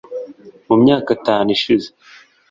mu myaka itanu ishize